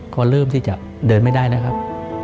ก็เริ่มที่จะเดินไม่ได้แล้วครับ